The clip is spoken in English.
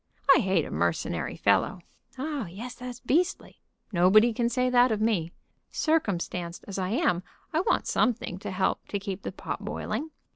I hate a mercenary fellow." "Oh yes; that's beastly." "Nobody can say that of me. Circumstanced as I am, I want something to help to keep the pot boiling.